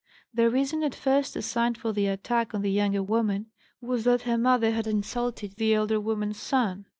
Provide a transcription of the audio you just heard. The reason at first assigned for the attack on the younger woman was that her mother had insulted the elder woman's son.